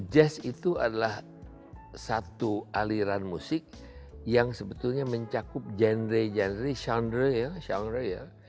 jazz itu adalah satu aliran musik yang sebetulnya mencakup genre genre genre ya genre ya